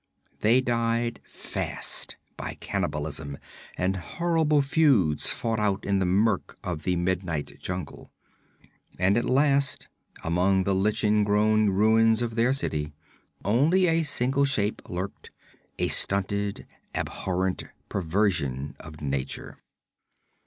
They died fast, by cannibalism, and horrible feuds fought out in the murk of the midnight jungle. And at last among the lichen grown ruins of their city only a single shape lurked, a stunted abhorrent perversion of nature.